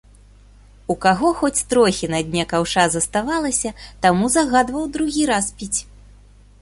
У каго хоць трохі на дне каўша заставалася, таму загадваў другі раз піць.